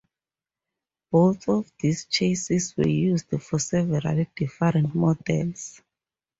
Both of these chassis were used for several different models.